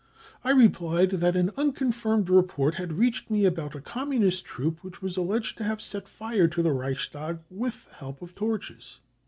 I replied that an I unconfirmed report had reached me about a Communist I • troop which was alleged to have set fire to the Reich stag with the help of torches.